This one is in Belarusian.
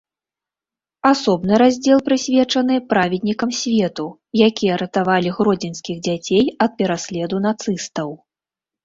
Асобны раздзел прысвечаны праведнікам свету, якія ратавалі гродзенскіх дзяцей ад пераследу нацыстаў.